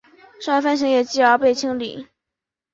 上海分行也继而被被清理。